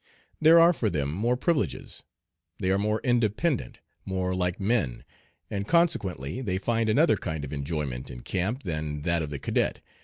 There are for them more privileges. They are more independent more like men; and consequently they find another kind of enjoyment in camp than that of the cadet.